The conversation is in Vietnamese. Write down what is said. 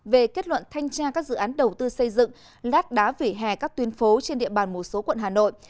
về kết luận thanh tra các dự án đầu tư xây dựng lát đá vỉa hè các tuyến phố trên địa bàn một số quận hà nội